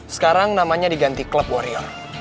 sekarang namanya diganti klub warrior